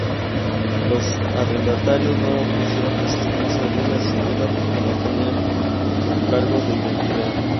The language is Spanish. Los arrendatarios no opusieron resistencia alguna, sin duda porque no tenían encargos de entidad.